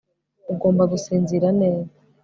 ugomba gusinzira neza